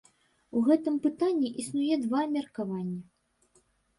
У гэтым пытанні існуе два меркаванні.